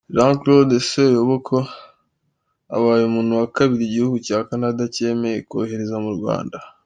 Jean Claude Seyoboka abaye umuntu wa kabiri igihugu cya Canada cyemeye kohereza mu Rwanda.